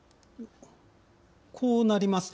こうなります。